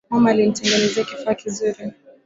Mama alinitengenezea kifaa kizuri